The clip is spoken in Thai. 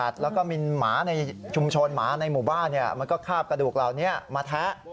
กระดูกสัตว์แล้วก็มีหมาในชุมชนหมาในหมู่บ้านเนี่ยมันก็คาบกระดูกเหล่านี้มาแท้